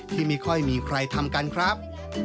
ที่ไม่ค่อยมีใครทำกันครับ